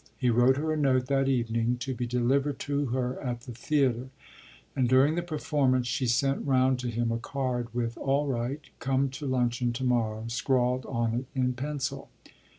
He wrote her a note that evening, to be delivered to her at the theatre, and during the performance she sent round to him a card with "All right, come to luncheon to morrow" scrawled on it in pencil.